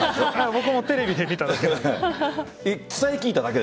僕もテレビで見ただけ。